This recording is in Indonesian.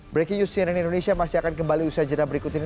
breaking news cnn indonesia masih akan kembali usaha jenah berikut ini